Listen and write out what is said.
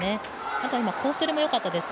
あとはコース取りもよかったです。